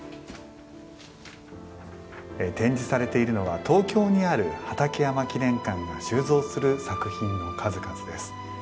展示されているのは東京にある畠山記念館が収蔵する作品の数々です。